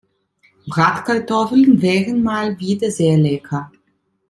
Bratkartoffeln wären mal wieder sehr lecker.